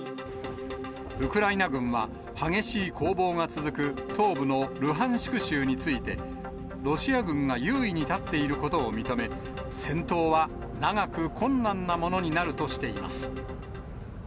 ウクライナ軍は、激しい攻防が続く東部のルハンシク州について、ロシア軍が優位に立っていることを認め、戦闘は長く困難なものになるとしています。